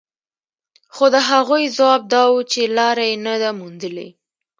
خو د هغوی ځواب دا و چې لاره يې نه ده موندلې.